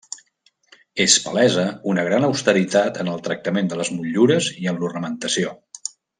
És palesa una gran austeritat en el tractament de les motllures i en l'ornamentació.